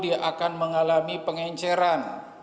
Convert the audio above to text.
dia akan mengalami pengenceran